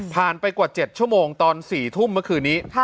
ไปกว่า๗ชั่วโมงตอน๔ทุ่มเมื่อคืนนี้